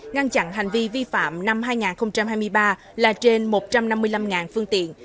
ngăn chặn hành vi vi phạm năm hai nghìn hai mươi ba là trên một trăm năm mươi năm